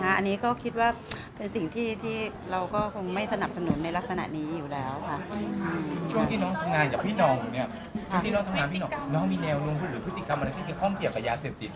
อันนี้ก็คิดว่าเป็นสิ่งที่เราก็คงไม่สนับสนุนในลักษณะนี้อยู่แล้วค่ะ